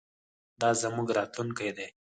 دا زموږ راتلونکی دی.